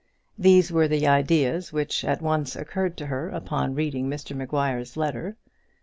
These were the ideas which at once occurred to her upon her reading Mr Maguire's letter.